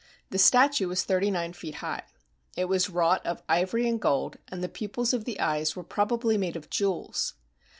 The statue was thirty nine feet high. It was wrought of ivory and gold, and the pupils of the eyes were probably made of jewels.